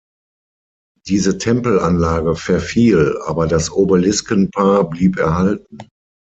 Diese Tempelanlage verfiel, aber das Obelisken-Paar blieb erhalten.